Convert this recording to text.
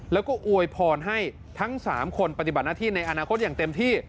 แล้วก็อวยพรให้ทั้ง๓คนปฏิบัติหน้าที่ในอนาคตอย่างเต็มที่